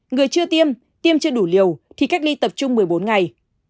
người chưa tiêm tiêm chưa đủ liều thì cách ly tập trung một mươi bốn ngày